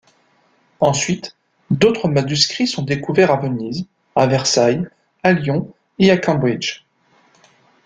Ensuite, d'autres manuscrits sont découverts à Venise, à Versailles, à Lyon et à Cambridge.